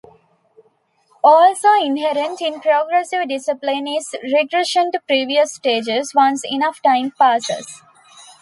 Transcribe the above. Also inherent in progressive discipline is regression to previous stages once enough time passes.